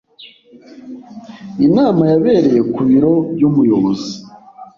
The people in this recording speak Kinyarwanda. Inama yabereye ku biro by'umuyobozi.